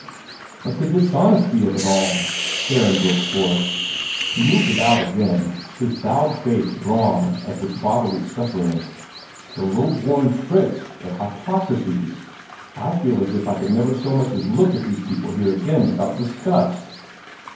"But the mean dishonesty of it all!" Theron broke forth. He moved about again, his bowed face drawn as with bodily suffering. "The low born tricks, the hypocrisies! I feel as if I could never so much as look at these people here again without disgust."